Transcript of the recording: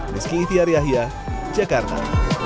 meski itiariahia jakarta